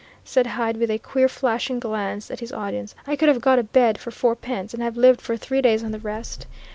said Hyde with a queer flashing glance at his audience. "I could have got a bed for fourpence, and have lived for three days on the rest.